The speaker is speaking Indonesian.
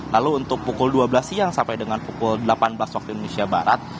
lalu untuk pukul dua belas siang sampai dengan pukul delapan belas waktu indonesia barat